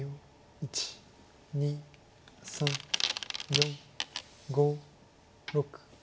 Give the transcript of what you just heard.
１２３４５６。